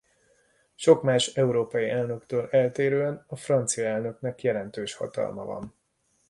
Sok más európai elnöktől eltérően a francia elnöknek jelentős hatalma van.